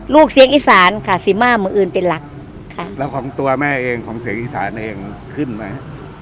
ลูกเสียงอีสานค่ะสีมามืออื่นเป็นหลักค่ะแล้วของตัวแม่เองของเสียงอีสานเองขึ้นไหม